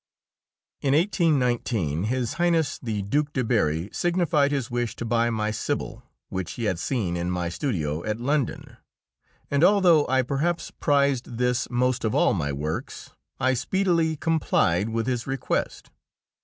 In 1819 His Highness the Duke de Berri signified his wish to buy my "Sibyl," which he had seen in my studio at London, and although I perhaps prized this most of all my works, I speedily complied with his request.